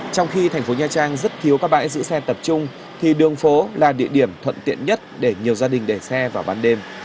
trong khi thành phố nha trang rất thiếu các bãi giữ xe tập trung thì đường phố là địa điểm thuận tiện nhất để nhiều gia đình để xe vào ban đêm